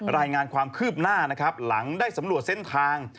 รายงานความคืบหน้านะครับหลังได้สำรวจเส้นทาง